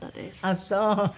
あっそう。